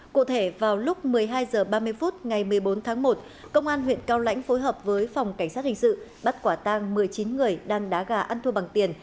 cụ thể vào lúc một mươi hai h ba mươi phút ngày một mươi bốn tháng một công an huyện cao lãnh phối hợp với phòng cảnh sát hình sự bắt quả tang một mươi chín người đang đá gà ăn thua bằng tiền